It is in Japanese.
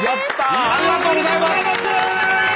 ありがとうございます。